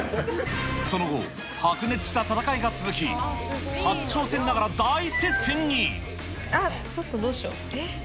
その後、白熱した戦いが続き、あっ、ちょっとどうしよう。